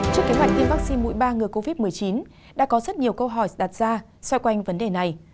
trước kế hoạch tiêm vaccine mũi ba ngừa covid một mươi chín đã có rất nhiều câu hỏi đặt ra xoay quanh vấn đề này